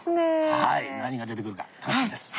はい何が出てくるか楽しみです。